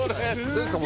どうですか？